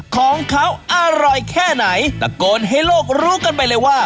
ของเขาอร่อยแค่ไหนตะโกนให้โลกรู้กันไปเลยว่า